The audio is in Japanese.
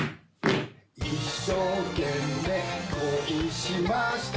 「一生懸命恋しました」